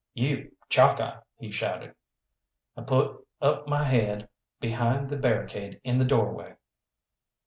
"You, Chalkeye!" he shouted. I put up my head behind the barricade in the doorway.